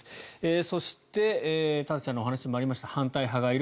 そして田崎さんのお話にもありました反対派もいる。